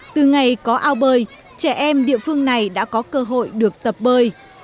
từ ngày có ao bơi trẻ em địa phương này đã có cơ hội được tập bơi